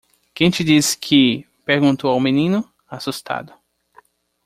"Quem te disse que?" perguntou ao menino? assustado.